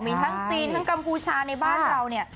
มีทั้งจีนทั้งกัมพูชาในบ้านเราเนี่ย